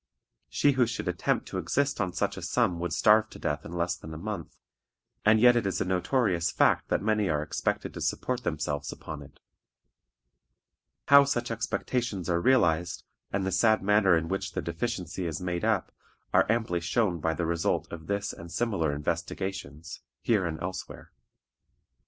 She who should attempt to exist on such a sum would starve to death in less than a month, and yet it is a notorious fact that many are expected to support themselves upon it. How such expectations are realized, and the sad manner in which the deficiency is made up, are amply shown by the result of this and similar investigations, here and elsewhere.